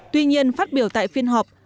tuy nhiên phát biểu tại phiên họp